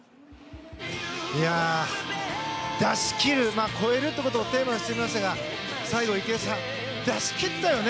出し切る超えるということをテーマにしていましたが最後、池江さん出し切ったよね？